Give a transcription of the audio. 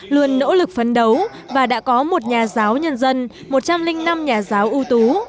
luôn nỗ lực phấn đấu và đã có một nhà giáo nhân dân một trăm linh năm nhà giáo ưu tú